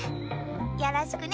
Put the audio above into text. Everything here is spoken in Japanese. よろしくね。